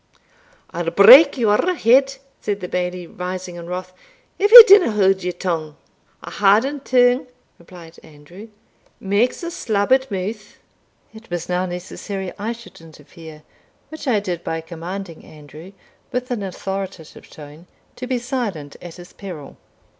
"I'll break your head," said the Bailie, rising in wrath, "if ye dinna haud your tongue." "A hadden tongue," replied Andrew, "makes a slabbered mouth." It was now necessary I should interfere, which I did by commanding Andrew, with an authoritative tone, to be silent at his peril.